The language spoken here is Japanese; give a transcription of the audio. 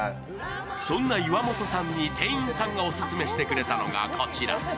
そんな岩本さんに店員さんがオススメしてくれたのが、こちら。